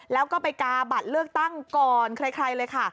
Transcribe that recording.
แล้วก็ไปกาบัตรเลือกตั้งก่อนใครเลยค่ะ